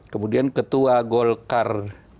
kemudian ketua golkar